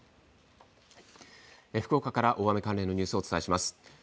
福岡から大雨関連のニュースをお伝えします。